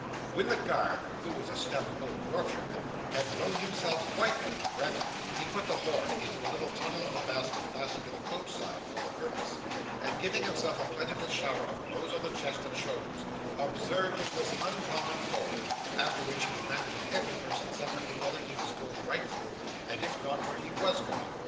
When the guard (who was a stout old Yorkshireman) had blown himself quite out of breath, he put the horn into a little tunnel of a basket fastened to the coach side for the purpose, and giving himself a plentiful shower of blows on the chest and shoulders, observed it was uncommon cold; after which, he demanded of every person separately whether he was going right through, and if not, where he WAS going.